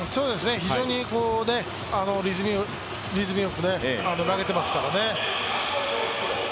非常にリズムよく投げていますからね。